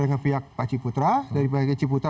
dengan pihak pak ciputra dari pihak ciputra